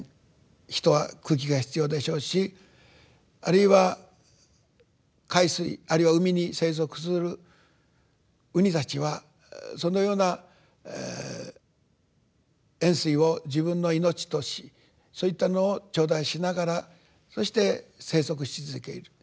人は空気が必要でしょうしあるいは海水あるいは海に生息する海胆たちはそのような塩水を自分の命としそういったのを頂戴しながらそして生息し続ける。